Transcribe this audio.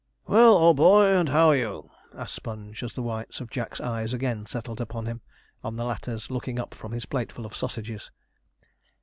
'Well, old boy, and how are you?' asked Sponge, as the whites of Jack's eyes again settled upon him, on the latter's looking up from his plateful of sausages.